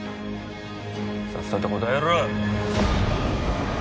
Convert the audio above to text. さっさと答えろ。